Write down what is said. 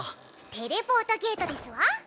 テレポートゲートですわ。